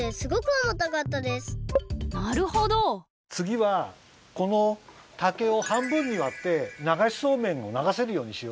つぎはこの竹を半分にわってながしそうめんをながせるようにしよう。